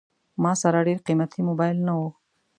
ما سره ډېر قیمتي موبایل نه و.